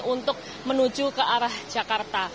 untuk menuju ke arah jakarta